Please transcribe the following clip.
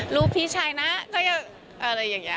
พี่ชายนะก็จะอะไรอย่างนี้